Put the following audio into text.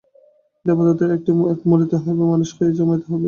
দেবতাদেরও একদিন মরিতে হইবে এবং মানুষ হইয়া জন্মাইতে হইবে।